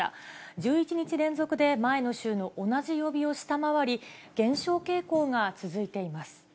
１１日連続で前の週の同じ曜日を下回り、減少傾向が続いています。